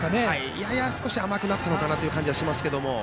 やや甘くなったのかなという感じがしましたけど。